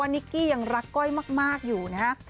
นิกกี้ยังรักก้อยมากอยู่นะฮะ